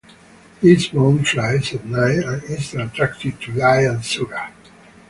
This moth flies at night and is attracted to light and sugar.